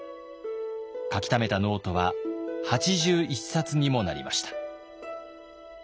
書きためたノートは８１冊にもなりました。